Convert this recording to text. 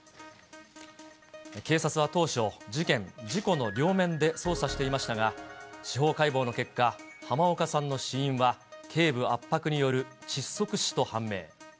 警察は当初、事件、事故の両面で捜査していましたが、司法解剖の結果、濱岡さんの死因は、けい部圧迫による窒息死と判明。